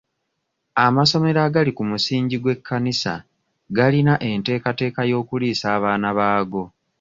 Amasomero agali ku musingi gw'ekkanisa galina enteekateka y'okuliisa abaana baago.